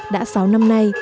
đã sáu năm nay